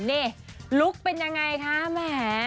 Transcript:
นี่ลุคเป็นยังไงคะแหม